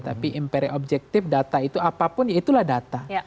tapi imperi objektif data itu apapun ya itulah data